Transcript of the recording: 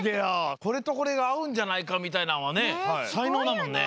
これとこれがあうんじゃないかみたいなんはねさいのうだもんね。